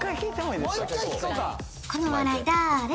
この笑いだれ？